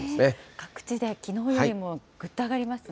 各地できのうよりもぐっと上がりますね。